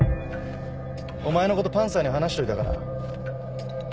お前の事パンサーに話しといたから。